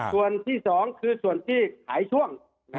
ส่วนที่๒คือส่วนที่ขายช่วง